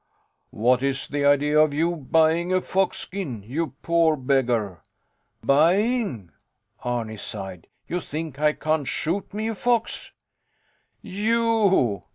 What is the idea of you buying a fox skin, you poor beggar? Buying? Arni sighed. You think I can't shoot me a fox? You!